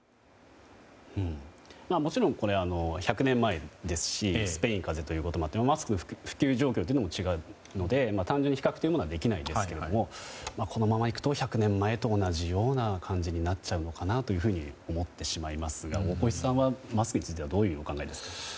もちろんこれ１００年前ですしスペイン風邪ということもあってマスクの普及状況も違うので単純に比較というものはできないんですがこのままいくと１００年前と同じような感じになってしまうのかと思ってしまいますが大越さんはマスクについてはどういうお考えですか？